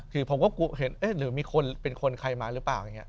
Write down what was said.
คือผมก็เห็นเอ๊ะหรือมีคนเป็นคนใครมาหรือเปล่าอย่างนี้